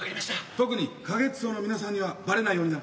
特に花月荘の皆さんにはばれないようにな。